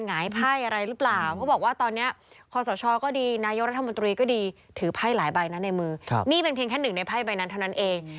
ให้ประชาชนตัดสินใจเองมากกว่าครับผม